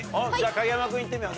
影山君行ってみよう。